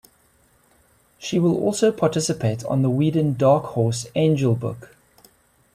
She will also participate on the Whedon-Dark Horse "Angel" book.